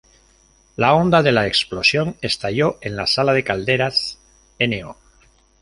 La onda de la explosión estalló en la sala de calderas No.